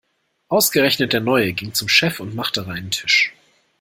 Ausgerechnet der Neue ging zum Chef und machte reinen Tisch.